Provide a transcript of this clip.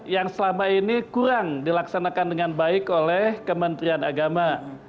yang selama ini kurang dilaksanakan dengan baik oleh kementerian agama